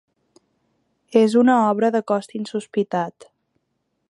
És una obra de cost insospitat.